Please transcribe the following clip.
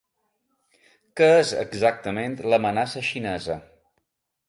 Què és exactament l’amenaça xinesa?